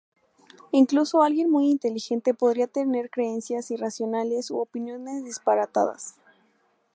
Incluso alguien muy inteligente podría tener creencias irracionales u opiniones disparatadas.